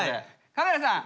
カメラさん